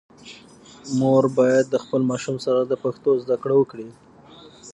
مور باید د خپل ماشوم سره د پښتو زده کړه وکړي.